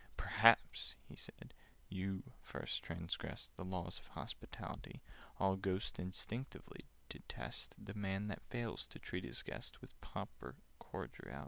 "Perhaps," he said, "you first transgressed The laws of hospitality: All Ghosts instinctively detest The Man that fails to treat his guest With proper cordiality.